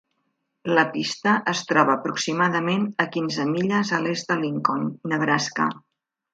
La pista es troba aproximadament a quinze milles a l'est de Lincoln, Nebraska.